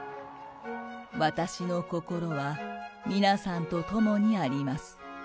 私の心は皆さんと共にあります。